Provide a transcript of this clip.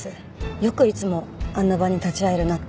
よくいつもあんな場に立ち会えるなって。